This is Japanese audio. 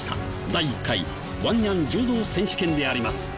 第１回ワンニャン柔道選手権であります。